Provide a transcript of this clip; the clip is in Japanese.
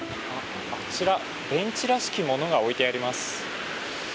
あちら、ベンチらしきものが置いてあります。